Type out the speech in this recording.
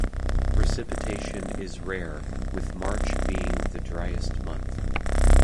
Precipitation is rare, with March being the driest month.